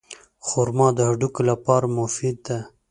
خرما د هډوکو لپاره مفیده ده.